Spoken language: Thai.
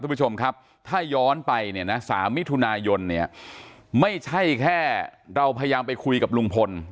คุณผู้ชมครับถ้าย้อนไปเนี่ยนะ๓มิถุนายนเนี่ยไม่ใช่แค่เราพยายามไปคุยกับลุงพล